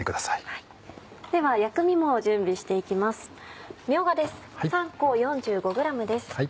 では薬味も準備して行きます。